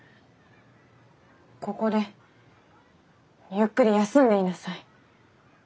ここでゆっくり休んでいなさい。